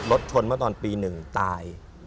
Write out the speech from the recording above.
รถชนมาตอนปี๑ตาย